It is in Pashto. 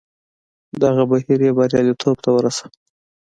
دغه بهیر یې بریالیتوب ته ورساوه.